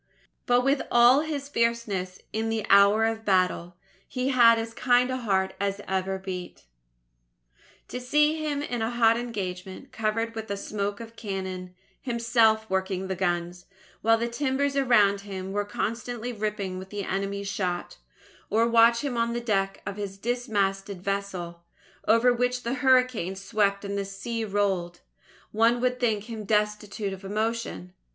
But with all his fierceness in the hour of battle, he had as kind a heart as ever beat. To see him in a hot engagement, covered with the smoke of cannon, himself working the guns, while the timbers around him were constantly ripping with the enemy's shot; or watch him on the deck of his dismasted vessel, over which the hurricane swept and the sea rolled, one would think him destitute of emotion.